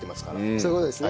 そういう事ですね。